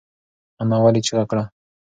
انا ولې چیغه کړه؟